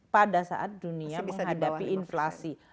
pada saat dunia menghadapi inflasi